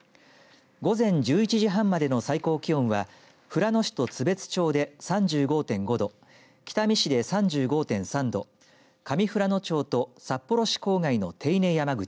午前１１時半までの最高気温は富良野市と津別町で３５．５度北見市で３５．３度上富良野町と札幌市郊外の手稲山口